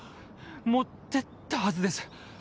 持ってったはずです。